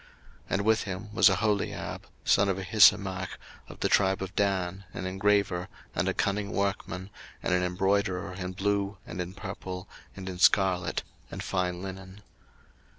02:038:023 And with him was Aholiab, son of Ahisamach, of the tribe of Dan, an engraver, and a cunning workman, and an embroiderer in blue, and in purple, and in scarlet, and fine linen.